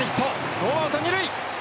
ノーアウト、二塁。